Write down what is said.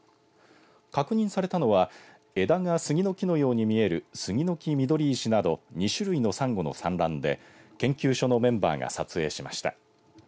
確認されたのは枝が杉の木のように見えるスギノキミドリイシなど２種類のサンゴの産卵で研究所のメンバーが撮影しました。